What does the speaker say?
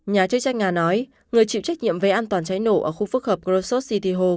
nhà chức trách nga nói người chịu trách nhiệm về an toàn cháy nổ ở khu phức hợp rosos city hồ